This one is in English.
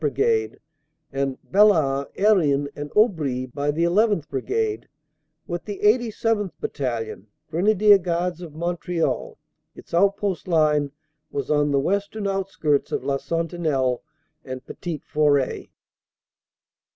Brigade; and Bellaing, Herin and Aubry, by the llth. Brigade, with the 87th. Battalion, Grenadier Guards of Montreal. Its outpost line was on the western outskirts of La Sentinelle and Petite Foret.